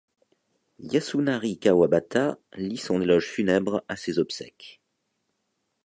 Yasunari Kawabata lit son éloge funèbre à ses obsèques.